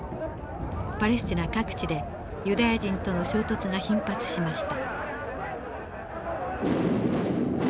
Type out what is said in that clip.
パレスチナ各地でユダヤ人との衝突が頻発しました。